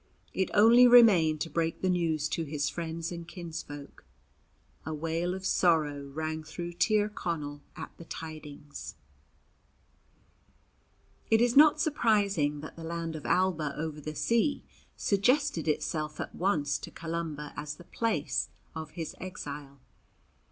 It only remained to break the news to his friends and kinsfolk. A wail of sorrow rang through Tir Connell at the tidings. It is not surprising that the land of Alba over the sea suggested itself at once to Columba as the place of his exile.